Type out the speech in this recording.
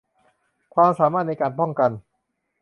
ความสามารถในการป้องกัน